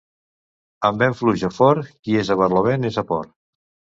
Amb vent fluix o fort, qui és a barlovent és a port.